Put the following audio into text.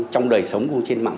trong đời sống cũng trên mạng